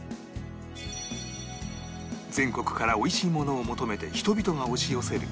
全国から美味しいものを求めて人々が押し寄せる